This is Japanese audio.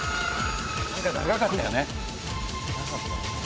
何か長かったよね。